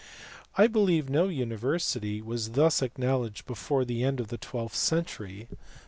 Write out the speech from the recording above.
l I believe no university was thus ac knowledged before the end of the twelfth century.